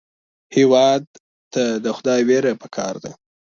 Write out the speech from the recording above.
هېواد ته د خدای وېره پکار ده